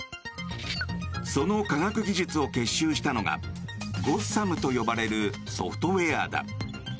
その科学技術を結集したのがゴッサムと呼ばれるソフトウェアだ。